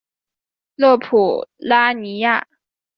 勒普拉尼亚。